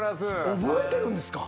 覚えてるんですか？